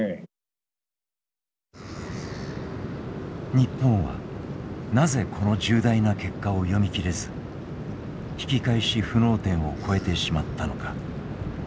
日本はなぜこの重大な結果を読み切れず引き返し不能点を越えてしまったのか。